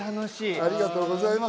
ありがとうございます。